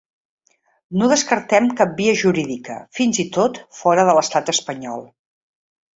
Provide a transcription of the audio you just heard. No descartem cap via jurídica, fins i tot fora de l’estat espanyol.